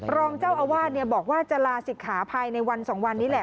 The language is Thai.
รองเจ้าอาวาสบอกว่าจะลาศิกขาภายในวัน๒วันนี้แหละ